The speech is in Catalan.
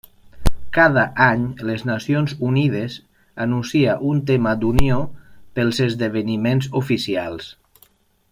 Cada any, les Nacions Unides anuncia un tema d'unió pels esdeveniments oficials.